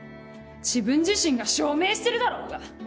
自分自身が証明してるだろうが！